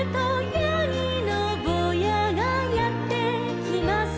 「やぎのぼうやがやってきます」